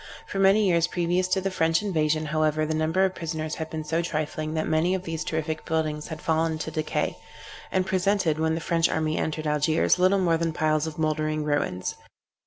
For many years previous to the French invasion, however, the number of prisoners had been so trifling, that many of these terrific buildings had fallen to decay, and presented, when the French army entered Algiers, little more than piles of mouldering ruins.